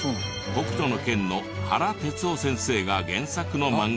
『北斗の拳』の原哲夫先生が原作の漫画など。